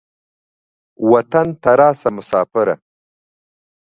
وطن ته راسه مسافره.